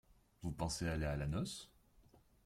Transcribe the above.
Vous pensez aller à la noce ?